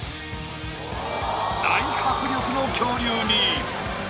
大迫力の恐竜に。